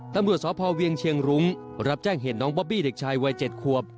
ตำรวจสพเวียงเชียงรุ้งรับแจ้งเหตุน้องบอบบี้เด็กชายวัย๗ควบ